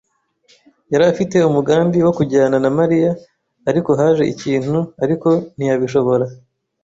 yari afite umugambi wo kujyana na Mariya, ariko haje ikintu ariko ntiyabishobora.